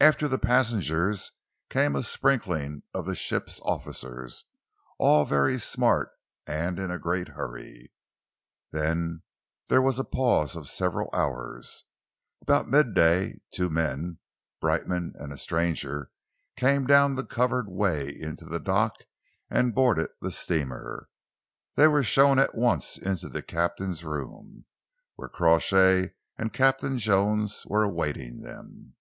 After the passengers came a sprinkling of the ship's officers, all very smart and in a great hurry. Then there was a pause of several hours. About midday, two men Brightman and a stranger came down the covered way into the dock and boarded the steamer. They were shown at once into the captain's room, where Crawshay and Captain Jones were awaiting them.